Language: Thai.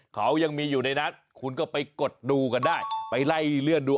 เขายังมีอยู่ในนั้นคุณก็ไปกดดูกันได้ไปไล่เลื่อนดู